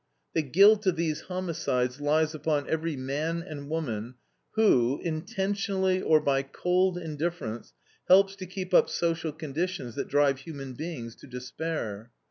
The guilt of these homicides lies upon every man and woman who, intentionally or by cold indifference, helps to keep up social conditions that drive human beings to despair.